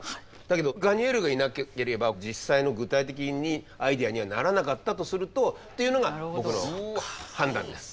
だけどガニェールがいなければ実際の具体的にアイデアにはならなかったとするとっていうのが僕の判断です。